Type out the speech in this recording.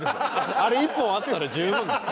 あれ１本あったら十分。